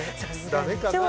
ダメかな？